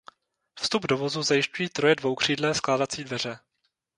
Vstup do vozu zajišťují troje dvoukřídlé skládací dveře.